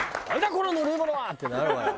このぬるいものは！」ってなるわよ